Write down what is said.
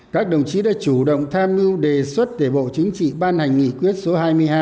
các đồng chí đã chủ động tham mưu đề xuất để bộ chính trị ban hành nghị quyết số hai mươi hai